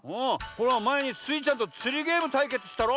ほらまえにスイちゃんとつりゲームたいけつしたろ？